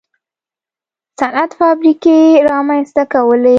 صنعت فابریکې رامنځته کولې.